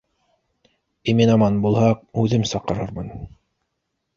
— Имен-аман булһаҡ, үҙем саҡырыр мын